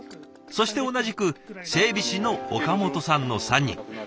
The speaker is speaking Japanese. そして同じく整備士の岡本さんの３人。